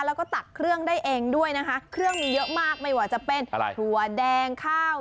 แล้วก็ตัดเครื่องได้เองด้วยนะคะ